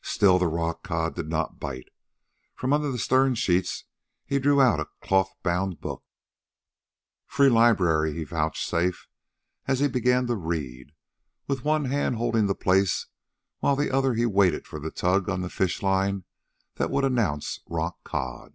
Still the rockcod did not bite. From under the stern sheets he drew out a cloth bound book. "Free Library," he vouchsafed, as he began to read, with one hand holding the place while with the other he waited for the tug on the fishline that would announce rockcod.